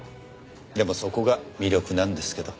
でもそこが魅力なんですけど。